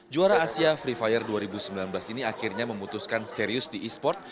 juara asia free fire dua ribu sembilan belas ini akhirnya memutuskan serius di e sport